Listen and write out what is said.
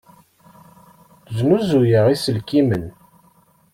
Snuzuyeɣ iselkimen.